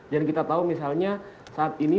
dan kita tahu misalnya saat ini